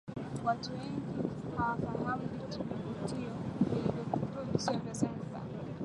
Watu wengi hawafahamu vivutio vilivyopo visiwa vya Zanzibar